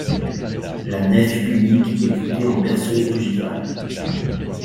La nef unique est voutée en berceau ogival.